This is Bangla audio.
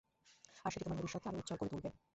আর সেটি তোমার ভবিষ্যতকে আরো উজ্জ্বল করে তুলবে।